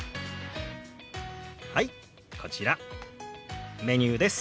はいこちらメニューです。